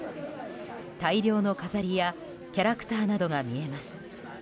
大量の飾りやキャラクターなどが見えます。